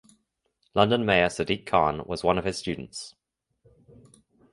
London Mayor Sadiq Khan was one of his students.